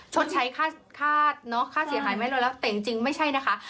ชดใช้ค่าเสียขายไม่รับแต่จริงไม่ใช่นะคะ